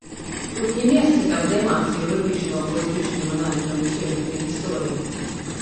Тут не месца, каб займацца юрыдычным або этычным аналізам усёй гэтай гісторыі.